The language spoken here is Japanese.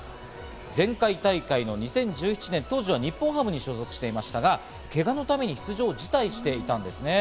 前回大会の２０１７年、当時は日本ハムに所属していましたが、けがのために出場を辞退していたんですね。